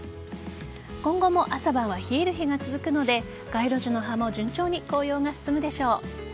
今後も朝晩は冷える日が続くので街路樹の葉も順調に紅葉が進むでしょう。